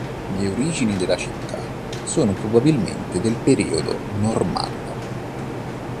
Le origini della città sono probabilmente del periodo normanno.